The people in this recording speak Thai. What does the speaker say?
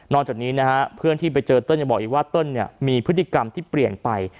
จากนี้นะฮะเพื่อนที่ไปเจอเติ้ลยังบอกอีกว่าเติ้ลมีพฤติกรรมที่เปลี่ยนไป